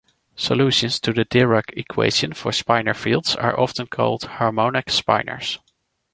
Solutions to the Dirac equation for spinor fields are often called "harmonic spinors".